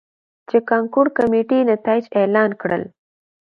،چې کانکور کميټې نتايج اعلان کړل.